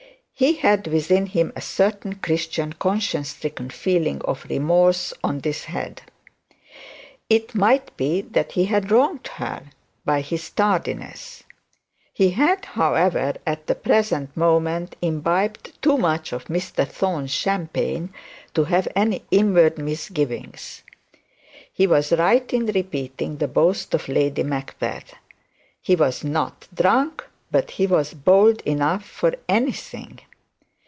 He had within him a certain Christian conscience stricken feeling of remorse on this head. It might be that he had wronged her by his tardiness. He had, however, at the present moment imbibed too much of Mr Thorne's champagne to have any inward misgivings. He was right in repeating the boast of Lady Macbeth: he was not drunk; but he was bold enough for anything.